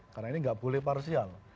karena ini gak boleh parsial